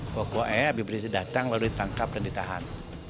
poko e abib rizik datang lalu ditangkap dan ditahan